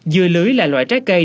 dưa lưới là loại trái cây